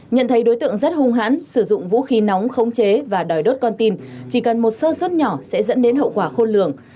nhận thấy đối tượng rất hung hãn sử dụng vũ khí nóng khống chế và đòi đốt con tim chỉ cần một sơ suất nhỏ sẽ dẫn đến hậu quả khôn lường